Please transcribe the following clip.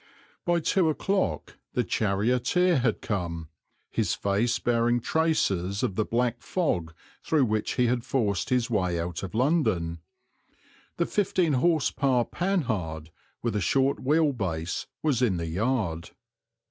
By two o'clock the charioteer had come, his face bearing traces of the black fog through which he had forced his way out of London; the 15 h.p. Panhard, with a short wheelbase, was in the yard.